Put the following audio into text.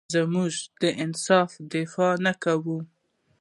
موږ د انصاف دفاع نه کوو.